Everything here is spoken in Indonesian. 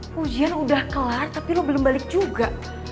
pujian udah kelar tapi lo belum balik juga